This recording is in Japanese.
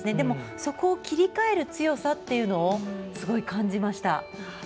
そこを切り替える強さというのをすごい感じました。